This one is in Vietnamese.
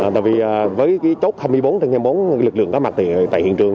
tại vì với chốt hai mươi bốn trên hai mươi bốn lực lượng có mặt thì tại hiện trường